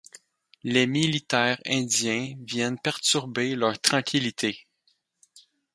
Les militaires indiens viennent perturber leur tranquillité.